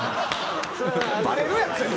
バレるやん絶対！